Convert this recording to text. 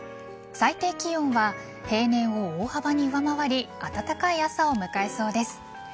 最低気温は平年を大幅に上回り暖かい朝を迎えそうです。